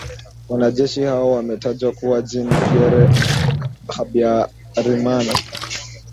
Wanajeshi hao wametajwa kuwa Jean Pierre Habyarimana